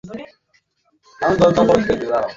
তাঁরা এখন আপনাদের ঘর সামলাচ্ছেন, আমাদের দেশে আসবার সময় নাই।